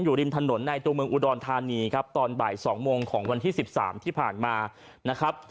อยู่ริมถนนในตัวเมืองอุดรธานีครับตอนบ่าย๒โมงของวันที่๑๓ที่ผ่านมานะครับ